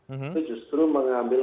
itu justru mengambil